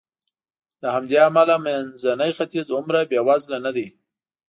له همدې امله منځنی ختیځ هومره بېوزله نه دی.